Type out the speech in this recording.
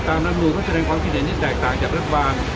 รำนูนก็แสดงความคิดเห็นที่แตกต่างจากรัฐบาล